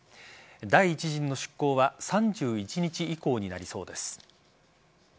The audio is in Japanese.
第１陣の出港は３１日以降になりそうです。